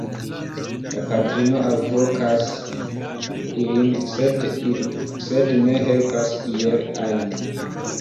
La patrino alvokas ilin, sed ne helpas iel ajn.